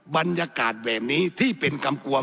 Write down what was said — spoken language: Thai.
บรรยากาศแบบนี้ที่เป็นกำกวม